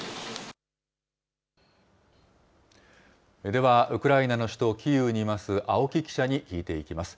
では、ウクライナの首都キーウにいます青木記者に聞いていきます。